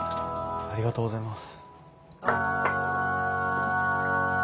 ありがとうございます。